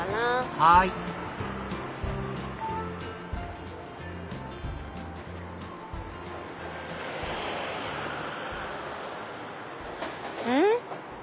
はいうん？